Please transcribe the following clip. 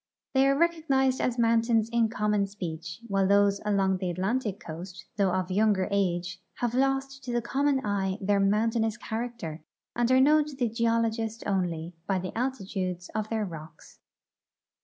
They are recognized as mountains in common speech, while those along the Atlantic coast, though of younger age, have lost to the common eye their mountainous character and are known to the geologist only by the altitudes of their rocks.